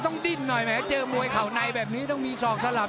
ดิ้นหน่อยแหมเจอมวยเข่าในแบบนี้ต้องมีศอกสลับ